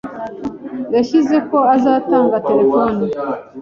yahize ko azatanga telefoni